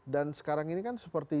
dan sekarang ini kan seperti